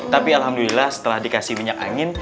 tapi alhamdulillah setelah dikasih minyak angin